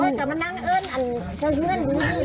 ก็จะมานั่งเอิ้นมีเลย